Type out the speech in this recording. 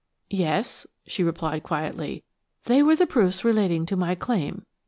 "Yes," she replied quietly; "they were the proofs relating to my claim.